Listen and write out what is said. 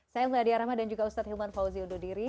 saya mbak adia rama dan juga ustadz hilman fauzi undodiri